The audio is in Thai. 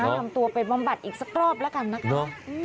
นำตัวไปบำบัดอีกสักรอบแล้วกันนะคะ